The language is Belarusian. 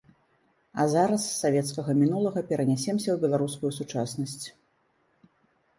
А зараз з савецкага мінулага перанясемся ў беларускую сучаснасць.